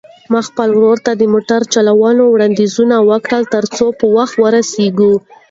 ما خپل ورور ته د موټر چلولو وړاندیز وکړ ترڅو په وخت ورسېږو.